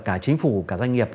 cả chính phủ cả doanh nghiệp